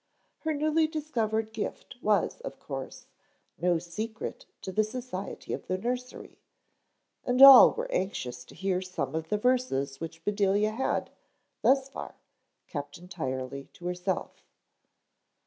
Her newly discovered gift was, of course, no secret to the society of the nursery and all were anxious to hear some of the verses which Bedelia had, thus far, kept entirely to herself.